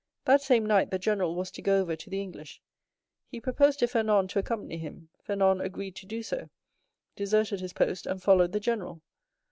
That same night the general was to go over to the English. He proposed to Fernand to accompany him; Fernand agreed to do so, deserted his post, and followed the general.